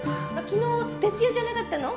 昨日徹夜じゃなかったの？